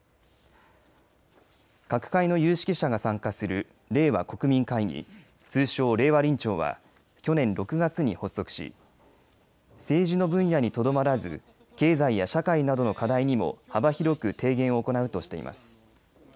各界の有識者が参加する令和国民会議通称、令和臨調は去年６月に発足し政治の分野にとどまらず経済や社会などの課題にも幅広く提言を行うとしています。